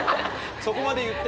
そこまで言って。